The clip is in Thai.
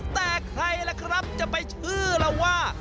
แต่ใครล่ะครับจะไปชื่อเราว่า